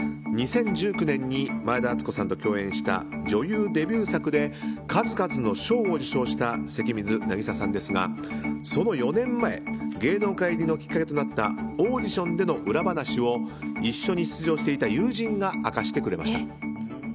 ２０１９年に前田敦子さんと共演した女優デビュー作で数々の賞を受賞した関水渚さんですがその４年前芸能界入りのきっかけとなったオーディションでの裏話を一緒に出場していた友人が明かしてくれました。